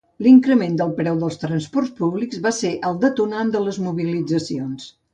L'increment del preu dels transports públics va ser el detonant de les mobilitzacions.